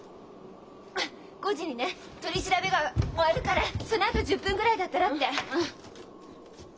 ５時にね取り調べが終わるからそのあと１０分ぐらいだったらって。